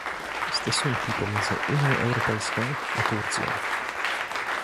Stosunki pomiędzy Unią Europejską a Turcją